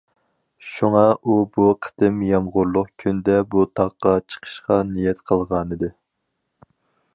شۇڭا ئۇ بۇ قېتىم يامغۇرلۇق كۈندە بۇ تاغقا چىقىشقا نىيەت قىلغانىدى.